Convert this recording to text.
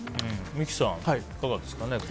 三木さん、いかがですか？